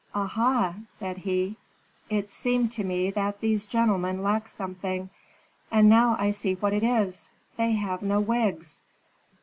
"Aha!" said he. "It seemed to me that these gentlemen lacked something, and now I see what it is, they have no wigs."